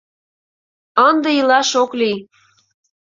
Ынде илаш ок лий.